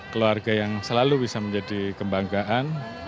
keluarga yang selalu bisa menjadi kebanggaan